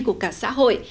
của cả xã hội